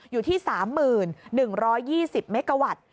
อยู่ที่๓๑๒๐เมกาวัตต์